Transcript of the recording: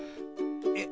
えっ